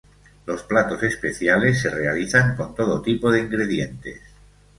Los platos especiales se realizan con todo tipo de ingredientes.